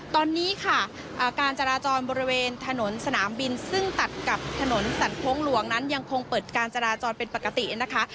ตอนนี้ค่ะการจราจรบริเวณถนนสนามบินซึ่งตัดกับถนนสันโค้งหลวงนั้นยังคงเปิดการจราจรเป็นปกตินะคะ